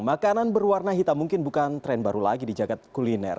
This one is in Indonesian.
makanan berwarna hitam mungkin bukan tren baru lagi di jagad kuliner